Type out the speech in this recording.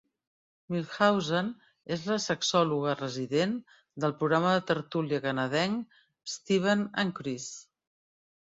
Milhausen és la sexòloga resident del programa de tertúlia canadenc "Steven and Chris".